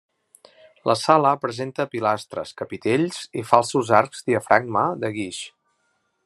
La sala presenta pilastres, capitells i falsos arcs diafragma de guix.